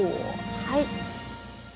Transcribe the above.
はい。